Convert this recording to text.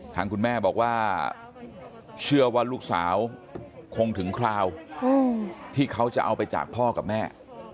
ทางคุณแม่บอกว่าเชื่อว่าลูกสาวคงถึงคราวที่เขาจะเอาไปจากพ่อกับแม่